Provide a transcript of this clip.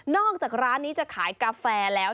อกจากร้านนี้จะขายกาแฟแล้ว